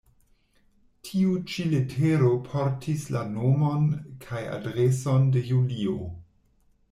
Tiu ĉi letero portis la nomon kaj adreson de Julio.